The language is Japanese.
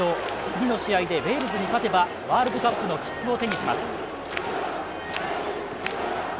次の試合でウェールズに勝てばワールドカップの切符を手にします。